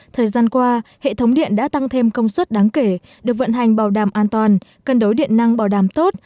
thời gian qua hệ thống điện đã tăng thêm công suất đáng kể được vận hành bảo đảm an toàn cân đối điện năng bảo đảm tốt